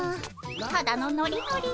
ただのノリノリ。